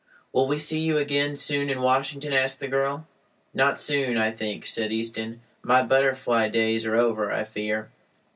"Will we see you again soon in Washington?" asked the girl. "Not soon, I think," said Easton. "My butterfly days are over, I fear."